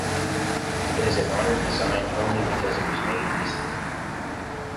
It is a modern design only because it was made recently.